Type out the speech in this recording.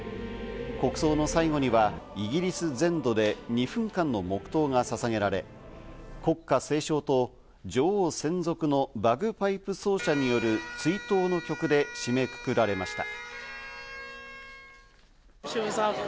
国葬の最後にはイギリス全土で２分間の黙とうがささげられ、国歌斉唱と女王専属のバグパイプ奏者による追悼の曲で締めくくられました。